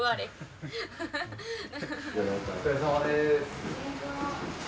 お疲れさまです。